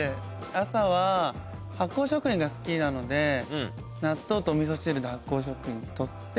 朝は発酵食品が好きなので納豆とおみそ汁で発酵食品を取って。